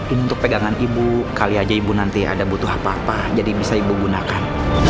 ini untuk pegangan ibu kali aja ibu nanti ada butuh apa apa jadi bisa ibu gunakan